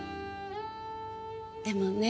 でもね